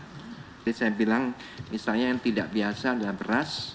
jadi saya bilang misalnya yang tidak biasa adalah beras